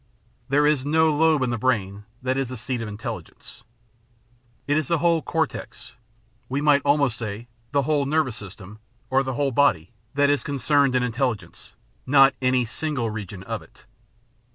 There is no lobe in the brain that is the seat of intelligence. It is the whole cortex, we might almost say the whole nervous system, or the whole body, that is concerned in intelligence, not any single region of it.